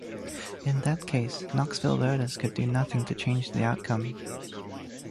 In that case, Knoxville voters could do nothing to change the outcome.